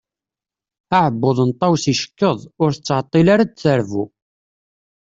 Aɛebbuḍ n Tawes icekkeḍ, ur tettɛeṭṭil ara ad d-terbu.